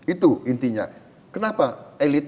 itu intinya kenapa elit